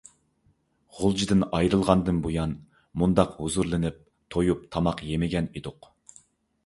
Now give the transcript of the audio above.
غۇلجىدىن ئايرىلغاندىن بۇيان ، مۇنداق ھۇزۇرلىنىپ، تويۇنۇپ تاماق يېمىگەن ئىدۇق .